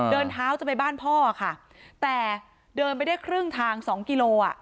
เดินเท้าจะไปบ้านพ่อค่ะแต่เดินไปได้ครึ่งทางสองกิโลอ่ะ